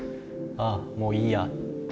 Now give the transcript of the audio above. ああもういいや。